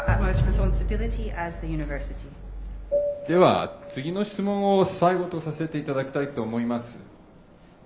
では次の質問を最後とさせていただきたいと思います。